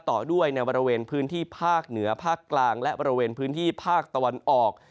ต่อด้วยในบริเวณพื้นที่ภาคเหนือภาคกลางและบริเวณพื้นที่ภาคตะวันออก